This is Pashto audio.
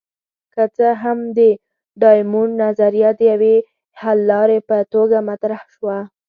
که څه هم د ډایمونډ نظریه د یوې حللارې په توګه مطرح شوه.